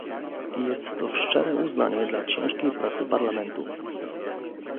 jest to szczere uznanie dla ciężkiej pracy Parlamentu